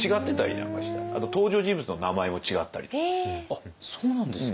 あっそうなんですか。